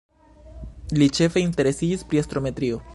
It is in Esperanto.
Li ĉefe interesiĝis pri astrometrio.